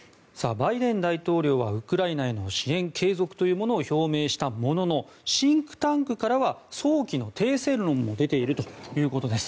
バイデン大統領はウクライナへの支援継続というものを表明したもののシンクタンクからは早期の停戦論も出ているということです。